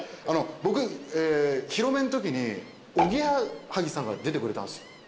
あの僕披露目のときにおぎやはぎさんが出てくれたんですよ。